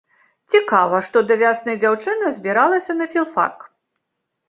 Цікава, што да вясны дзяўчына збіралася на філфак.